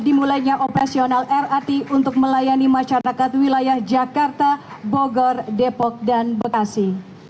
dilanjutkan di wilayah jakarta bogor depok dan bekasi